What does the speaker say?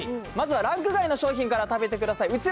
まずはランク外の商品から食べてください。